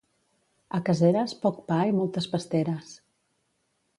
A Caseres, poc pa i moltes pasteres.